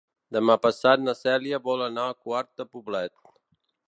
Demà passat na Cèlia vol anar a Quart de Poblet.